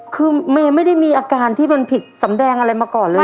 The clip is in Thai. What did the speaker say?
คือเมย์ไม่ได้มีอาการที่มันผิดสำแดงอะไรมาก่อนเลย